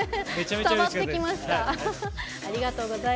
伝わってきました。